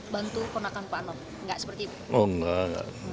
bantu penakan pak nof nggak seperti itu